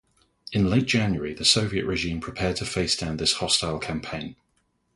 In late January the Soviet regime prepared to face down this "hostile campaign".